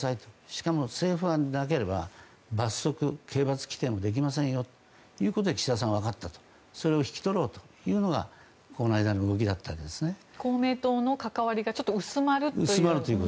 しかも政府案でなければ罰則、刑罰規定もできませんよということで岸田さんは、分かったそれを引き取ろうというのが公明党の関わりがちょっと薄まるという。